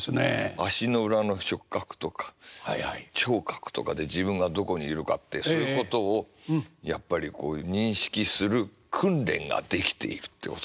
足の裏の触覚とか聴覚とかで自分がどこにいるかってそういうことをやっぱり認識する訓練ができているってことなんだと。